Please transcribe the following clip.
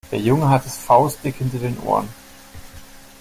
Der Junge hat es faustdick hinter den Ohren.